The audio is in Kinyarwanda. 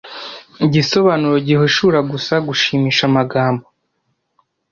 igisobanuro gihishura gusa gushimisha amagambo